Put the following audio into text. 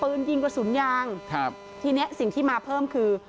ปืนยิงกระสุนยางครับทีเนี้ยสิ่งที่มาเพิ่มคือ